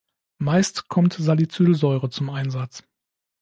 Meist kommt Salicylsäure zum Einsatz.